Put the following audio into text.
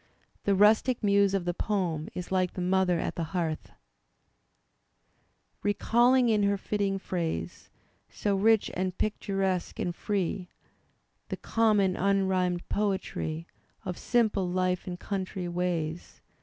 The rustic muse of the poem is like the mother at the hearth Recalling in her fitting phrase. So rich and picturesque and free, (The common unrhymed poetry Of simple life and country ways).